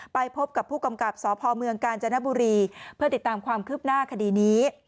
ไปพบกับผู้กำกับสพเมืองกาญจนบุรีเพื่อติดตามความคืบหน้าคดีนี้